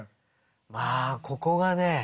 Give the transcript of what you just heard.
まあここがね